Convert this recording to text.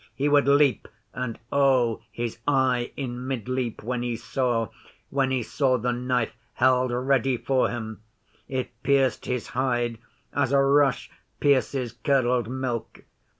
He would leap and, oh, his eye in mid leap when he saw when he saw the knife held ready for him! It pierced his hide as a rush pierces curdled milk.